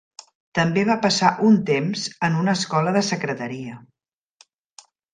També va passar un temps en una escola de secretaria.